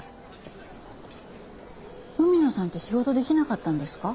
海野さんって仕事できなかったんですか？